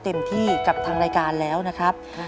เต็มที่กับทางรายการแล้วนะครับ